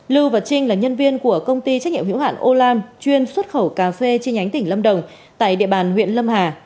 lưu và trinh là nhân viên của công ty trách nhiệm hữu hạn olam chuyên xuất khẩu cà phê trên nhánh tỉnh lâm đồng tại địa bàn huyện lâm hà